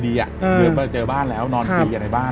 เพื่อนมาเจอบ้านแล้วนอนฟรีอย่างในบ้าน